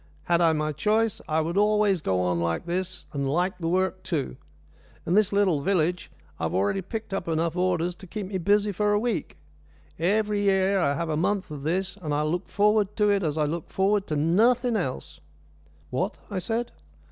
Had I my choice, I would always go on like this, and I like the work too. In this little village I've already picked up enough orders to keep me busy for a week. Every year I have a month of this, and I look forward to it as I look forward to nothing else." "What?" I said.